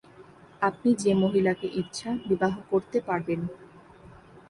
আপনি যে মহিলাকে ইচ্ছা বিবাহ করতে পারবেন।